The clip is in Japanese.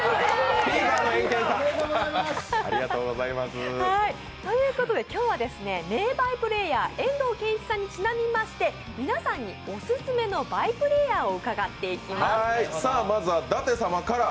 エンケンさん。ということで、今日は名バイプレーヤー遠藤憲一さんにちなみまして、皆さんにオススメのバイプレーヤーを伺っていきます。